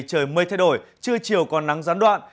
trời mây thay đổi trưa chiều còn nắng gián đoạn